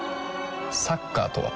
サッカーとは？